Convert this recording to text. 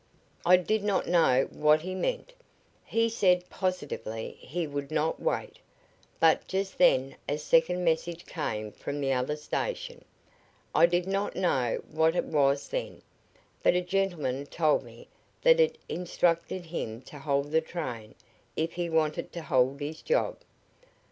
I did not know what he meant. He said positively he would not wait, but just then a second message came from the other station. I did not know what it was then, but a gentleman told me that it instructed him to hold the train if he wanted to hold his job.